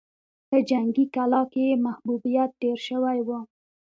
په جنګي کلا کې يې محبوبيت ډېر شوی و.